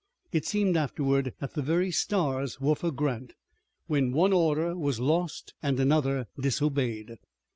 It seemed afterward that the very stars were for Grant, when one order was lost, and another disobeyed.